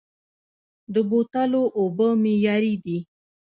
د بوتلو اوبه معیاري دي؟